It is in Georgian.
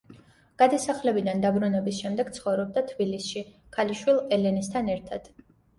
გადასახლებიდან დაბრუნების შემდეგ ცხოვრობდა თბილისში, ქალიშვილ ელენესთან ერთად.